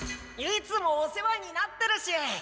いつもお世話になってるし。